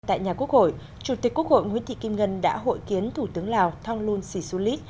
tại nhà quốc hội chủ tịch quốc hội nguyễn thị kim ngân đã hội kiến thủ tướng lào thong lun sì su lý